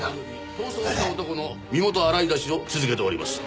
逃走した男の身元洗い出しを続けております。